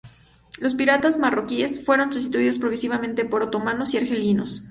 Los piratas marroquíes fueron sustituidos progresivamente por otomanos y argelinos.